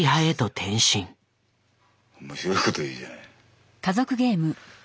面白いこと言うじゃない。